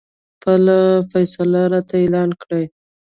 خپله فیصله راته اعلان کړي.